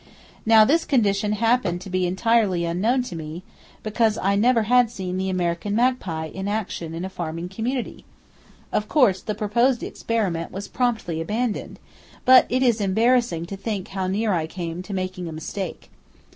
Now, this condition happened to be entirely unknown to me, because I never had seen the American magpie in action in a farming community! Of course the proposed experiment was promptly abandoned, but it is embarrassing to think how near I came to making a mistake.